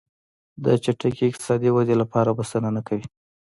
د چټکې اقتصادي ودې لپاره بسنه نه کوي.